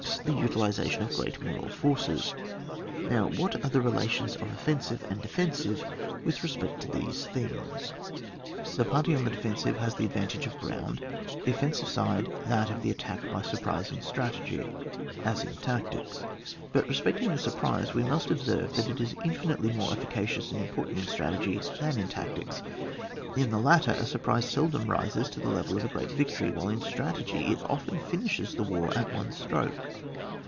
The utilisation of great moral forces. Now, what are the relations of offen sive and defensive with respect to theso things? CHAP, m.] RELATIONS OF OFFENSIVE AND DEFENSIVE. 73 The party on the defensive has the advantage of ground ; the offensive side that of the attack by surprise in strategy, as in tactics. But respecting the surprise, •we must observe that it is infinitely more efficacious and important in strategy than in tactics. In the latter, a surprise sel dom rises to the level of a great victory, while in strategy it often finishes the war at one stroke.